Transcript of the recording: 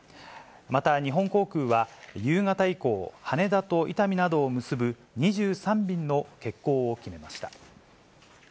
また、日本航空は夕方以降、羽田と伊丹などを結ぶ２３便の欠航を決めました。